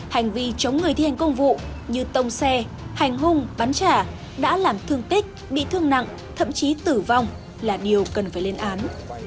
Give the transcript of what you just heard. hành vi chống người thi hành công vụ như tông xe hành hung bắn trả đã làm thương tích bị thương nặng thậm chí tử vong là điều cần phải lên án